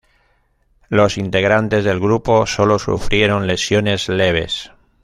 Los integrantes del grupo solo sufrieron lesiones leves.